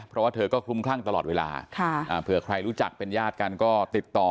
เพราะว่าเธอก็คลุมคลั่งตลอดเวลาเผื่อใครรู้จักเป็นญาติกันก็ติดต่อ